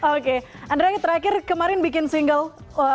oke andrea yang terakhir kemarin bikin single